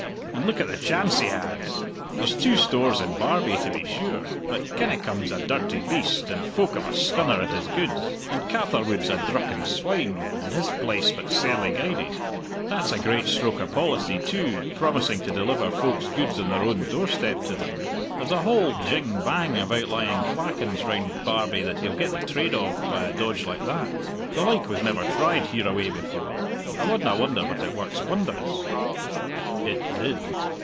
And look at the chance he has! There's two stores in Barbie, to be sure. But Kinnikum's a dirty beast, and folk have a scunner at his goods; and Catherwood's a drucken swine, and his place but sairly guided. That's a great stroke o' policy, too, promising to deliver folk's goods on their own doorstep to them. There's a whole jing bang of outlying clachans round Barbie that he'll get the trade of by a dodge like that. The like was never tried hereaway before. I wadna wonder but it works wonders." It did.